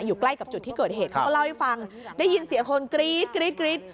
อยู่ใกล้กับจุดที่เกิดเหตุก็เล่าให้ฟังได้ยินเสียงคนกรี๊ด